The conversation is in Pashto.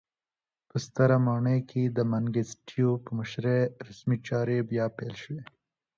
په ستره ماڼۍ کې د منګیسټیو په مشرۍ رسمي چارې بیا پیل شوې.